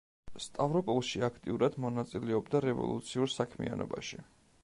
სტავროპოლში აქტიურად მონაწილეობდა რევოლუციურ საქმიანობაში.